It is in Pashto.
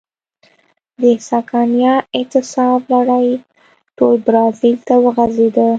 د سکانیا اعتصاب لړۍ ټول برازیل ته وغځېده.